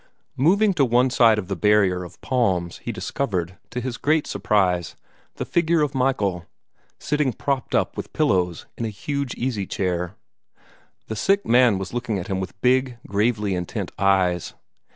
Moving to one side of the barrier of palms, he discovered, to his great surprise, the figure of Michael, sitting propped up with pillows in a huge easy chair. The sick man was looking at him with big, gravely intent eyes.